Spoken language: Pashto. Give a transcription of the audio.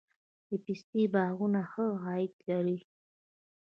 د پستې باغونه ښه عاید لري؟